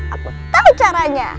aku tahu caranya